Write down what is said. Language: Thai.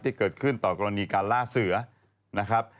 ที่เกิดขึ้นต่อกรณีการล่าเสือนะครับ